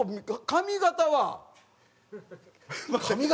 髪形は。